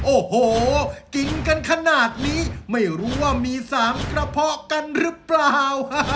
โอ้โหกินกันขนาดนี้ไม่รู้ว่ามี๓กระเพาะกันหรือเปล่า